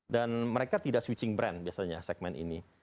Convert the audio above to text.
dan mereka tidak switching brand biasanya segmen ini